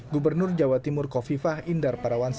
gubernur jawa timur coffee fah indar parawan